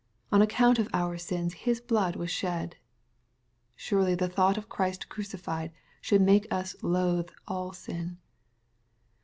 On account of our sins His blood was Blied. Surely the thought of Christ crucified should make us loathe all sin.